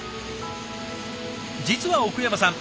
実は奥山さん